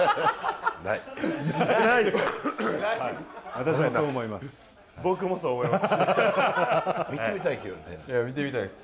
私もそう思います。